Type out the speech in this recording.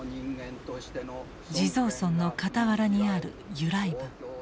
地蔵尊の傍らにある由来文。